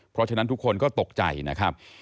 เพราะฉะนั้นทุกคนก็ตกใจนะครับ